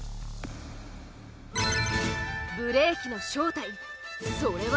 ブレーキの正体それは。